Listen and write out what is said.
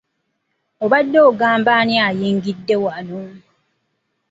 Obadde ogamba ani ayingidde wano?